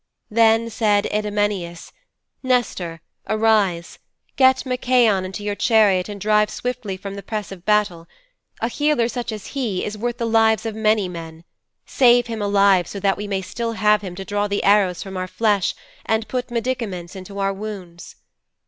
Then said Idomeneus, "Nestor, arise. Get Machaon into your chariot and drive swiftly from the press of battle. A healer such as he is worth the lives of many men. Save him alive so that we may still have him to draw the arrows from our flesh and put medicaments into our wounds."